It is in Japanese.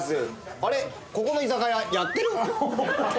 あれ、ここの居酒屋やってる？